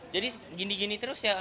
jadi gini gini terus ya